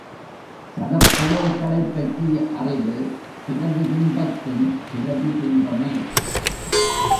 சடப்பொருள்களைப் பற்றிய அறிவு பிரதிபிம்பத்தின் பிரதிபிம்பமே.